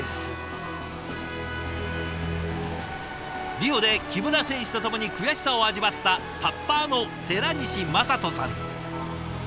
リオで木村選手と共に悔しさを味わったタッパーの寺西真人さん。